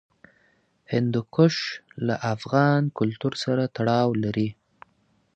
هندوکش له افغان کلتور سره تړاو لري.